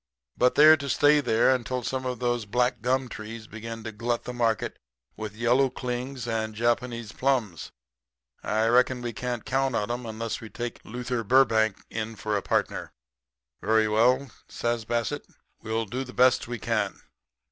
But they're to stay there until some of those black gum trees begin to glut the market with yellow clings and Japanese plums. I reckon we can't count on them unless we take Luther Burbank in for a partner.' "'Very well,' says Bassett, 'we'll do the best we can.